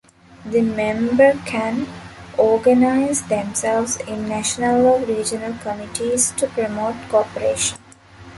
The members can organize themselves in national or regional committees to promote cooperation.